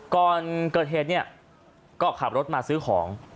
ก่อนเกิดเหตุเนี่ยก็ขับรถมาซื้อของ